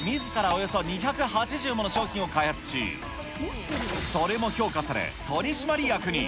およそ２８０もの商品を開発し、それも評価され、取締役に。